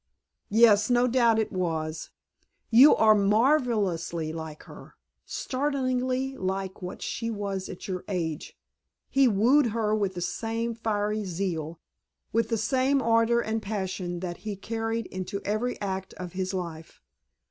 "Yes, no doubt it was. You are marvelously like her. Startlingly like what she was at your age. He wooed her with the same fiery zeal, with the same ardor and passion that he carried into every act of his life.